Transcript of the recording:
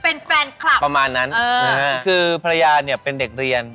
เป็นแฟนคลับประมาณนั้นคือภรรยาเนี่ยเป็นเด็กเรียน